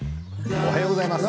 おはようございます。